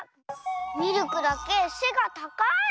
ミルクだけせがたかい！